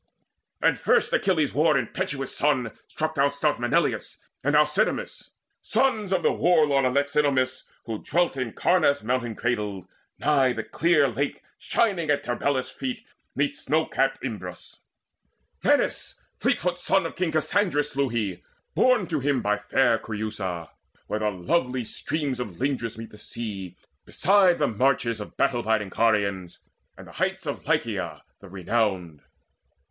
And first Achilles' war impetuous son Struck down stout Melaneus and Alcidamas, Sons of the war lord Alexinomus, Who dwelt in Caunus mountain cradled, nigh The clear lake shining at Tarbelus' feet 'Neath snow capt Imbrus. Menes, fleetfoot son Of King Cassandrus, slew he, born to him By fair Creusa, where the lovely streams Of Lindus meet the sea, beside the marches Of battle biding Carians, and the heights Of Lycia the renowned.